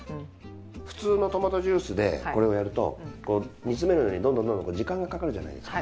普通のトマトジュースでこれをやると煮詰めるのにどんどんどんどん時間がかかるじゃないですか。